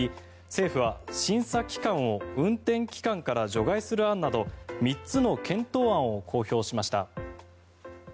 政府は審査期間を運転期間から除外する案など３つの検討案を公表しました。